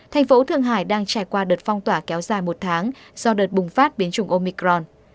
thành phố thượng hải đang trải qua đợt phong tỏa kéo dài một tháng do đợt bùng phát biến chủng omicron